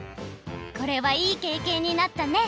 これはいいけいけんになったね。